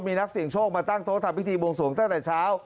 มีนักเสี่ยงโชคมาตั้งโต๊ะทำพิธีบวงสวงตั้งแต่เช้า